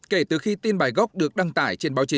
kể từ khi tin bài gốc được đăng tải trên báo chí